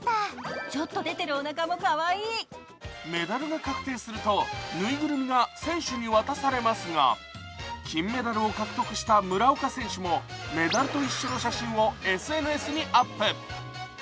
メダルが確定するとぬいぐるみが選手に渡されますが金メダルを獲得した村岡選手もメダルと一緒の写真をＳＮＳにアップ。